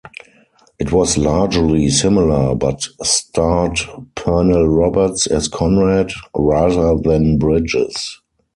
It was largely similar, but starred Pernell Roberts as Conrad rather than Bridges.